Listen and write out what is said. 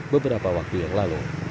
beberapa waktu yang lalu